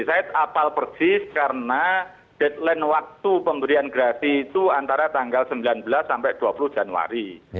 saya apal persis karena deadline waktu pemberian gerasi itu antara tanggal sembilan belas sampai dua puluh januari